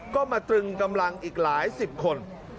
ก็มาตรึงกำลังอีกหลายสิบคน